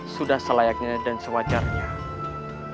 sudah selayaknya dan sewajarnya